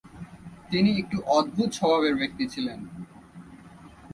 তিনি একটু অদ্ভুতস্বভাবের ব্যক্তি ছিলেন ।